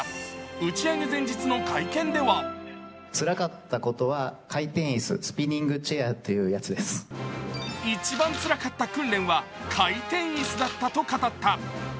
打ち上げ前日の会見では一番つらかった訓練は回転椅子だったと語った。